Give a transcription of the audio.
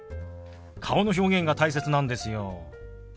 顔の表現が大切なんですよ。